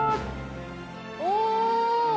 お！